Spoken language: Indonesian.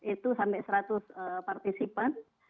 itu sampai seratus participant